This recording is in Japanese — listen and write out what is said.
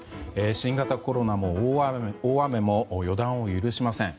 新型コロナも大雨も予断を許しません。